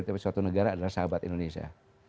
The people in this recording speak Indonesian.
tapi suatu negara adalah sahabat indonesia